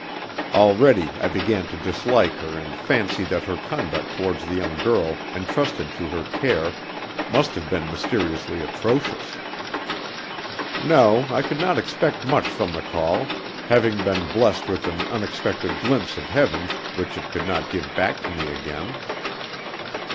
Already I began to dislike her and fancy that her conduct towards the young girl entrusted to her care must have been mysteriously atrocious. No, I could not expect much from the call, having been blessed with an unexpected glimpse of heaven which it could not give back to me again.